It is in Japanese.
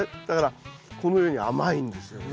だからこのように甘いんです。